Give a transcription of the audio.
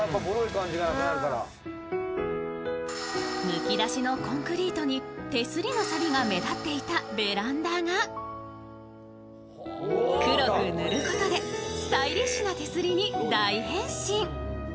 むき出しのコンクリートに手すりのさびが目立っていたベランダが黒く塗ることでスタイリッシュな手すりに大変身。